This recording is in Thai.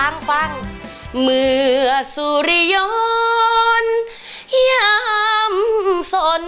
สวัสดีครับส